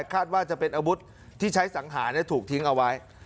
คาดว่าจะเป็นอาวุธที่ใช้สังหาถูกทิ้งเอาไว้